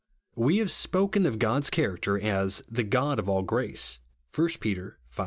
We have spoken of God's character as "the God of all grace " (1 Pet. v.